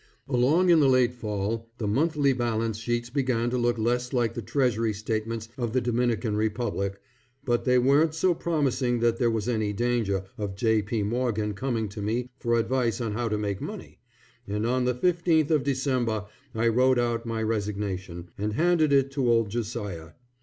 Along in the late fall, the monthly balance sheets began to look less like the treasury statements of the Dominican Republic, but they weren't so promising that there was any danger of J. P. Morgan coming to me for advice on how to make money, and on the 15th of December I wrote out my resignation, and handed it to old Josiah.